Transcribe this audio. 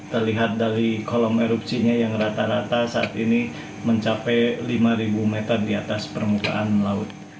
terlihat dari kolom erupsinya yang rata rata saat ini mencapai lima meter di atas permukaan laut